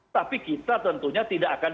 tapi kita tentunya tidak akan